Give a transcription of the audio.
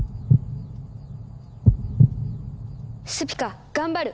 スピカ頑張る。